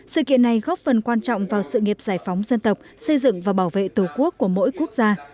sự kiện này góp phần quan trọng vào sự nghiệp giải phóng dân tộc xây dựng và bảo vệ tổ quốc của mỗi quốc gia